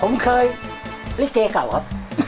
ผมเคยลิเกเก่าครับ